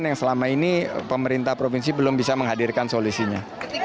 yang selama ini pemerintah provinsi belum bisa menghadirkan solusinya